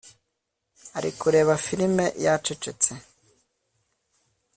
ari kureba firime yacecetse